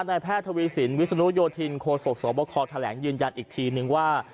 นายแพทย์ทวีสินวิศนุโยธินโคศกสวบคแถลงยืนยันอีกทีนึงว่า